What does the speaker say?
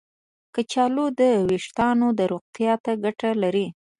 کچالو د ویښتانو روغتیا ته ګټه لري.